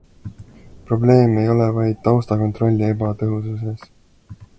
Probleem ei ole vaid taustakontrolli ebatõhususes.